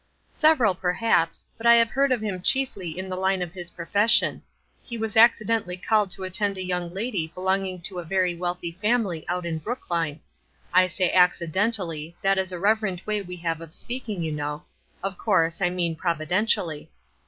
"Several, perhaps; but I have heard of him chiefly in the line of his profession. He was accidentally called to attend a young lady belonging to a very wealthy family out in Brookline. I say accidentally that is a reverent way we have of speaking, you know; of course, I mean providentially.